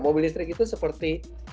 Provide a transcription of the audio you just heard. mobil listrik itu sepertinya